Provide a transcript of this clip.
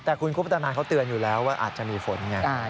แต่คุณคุปตนานเขาเตือนอยู่แล้วว่าอาจจะมีฝนไง